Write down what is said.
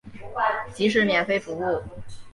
即使免费服务